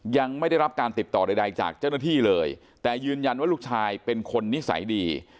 ยังไม่ได้รับการติดต่อใดจากเจ้าหน้าที่เลยแต่ยืนยันว่าลูกชายเป็นคนนิสัยดี